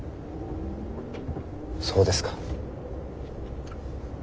そうですか。